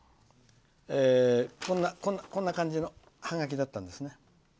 こんな感じのハガキだったんですね。